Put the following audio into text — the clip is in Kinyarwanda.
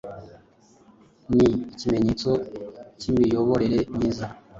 nii ikimenyetso cy'imiyoborere myiza